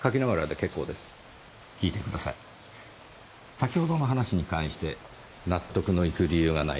先程の話に関して納得のいく理由がないか